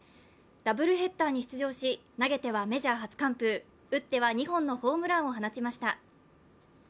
ダブルヘッダーに出場し投げてはメジャー初完封打っては２本のホームランを放ちました。